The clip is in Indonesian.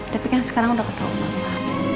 tapi kan sekarang udah ketau mama